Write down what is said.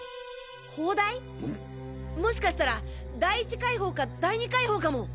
もしかしたら第１海堡か第２海堡かも。